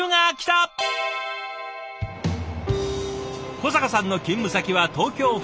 小坂さんの勤務先は東京・府中市。